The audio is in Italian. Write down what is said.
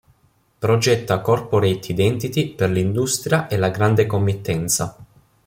Progetta corporate identity per l'industria e la grande committenza.